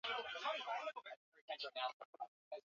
maudhui yanasambazwa kwa kila mtu aliyefungua redio yake